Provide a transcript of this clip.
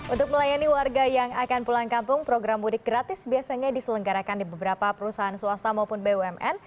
untuk melayani warga yang akan pulang kampung program mudik gratis biasanya diselenggarakan di beberapa perusahaan swasta maupun bumn